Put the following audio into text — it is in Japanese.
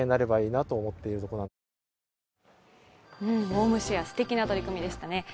ウォームシェア、すてきな取り組みでしたね。